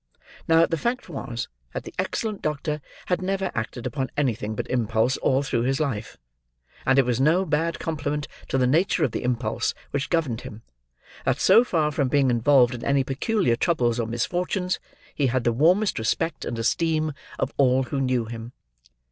Now, the fact was that the excellent doctor had never acted upon anything but impulse all through his life, and it was no bad compliment to the nature of the impulses which governed him, that so far from being involved in any peculiar troubles or misfortunes, he had the warmest respect and esteem of all who knew him.